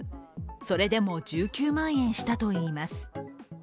それでも１９万円したといいます。